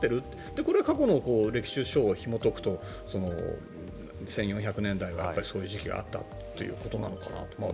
これ、過去の歴史書をひもとくと１４００年代はそういう時期があったということなのかなと。